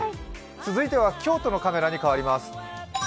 続いては京都のカメラに変わります。